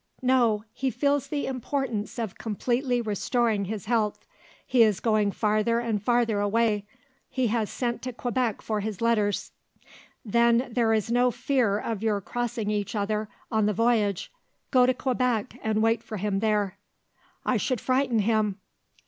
"No. He feels the importance of completely restoring his health he is going farther and farther away he has sent to Quebec for his letters." "Then there is no fear of your crossing each other on the voyage. Go to Quebec, and wait for him there." "I should frighten him."